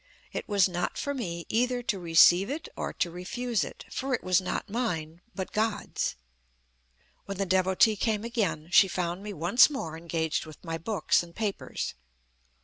It was not for me either to receive it or to refuse it: for it was not mine, but God's. When the Devotee came again, she found me once more engaged with my books and papers.